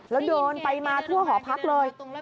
แล้วเดินไปมาทั่วหอพักเลย